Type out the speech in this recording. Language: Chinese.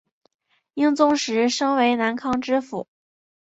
英宗时升为南康知府。